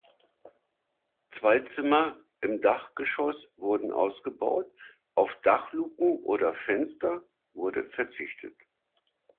Zwei Zimmer im Dachgeschoss wurden ausgebaut, auf Dachluken oder -fenster wurde verzichtet.